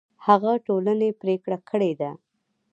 هغه ټولنې پرېکړه کړې ده